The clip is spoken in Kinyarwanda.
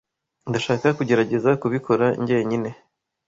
Ndashaka kugerageza kubikora njyenyine.